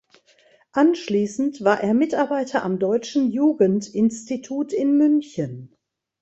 Anschließend war er Mitarbeiter am Deutschen Jugendinstitut in München.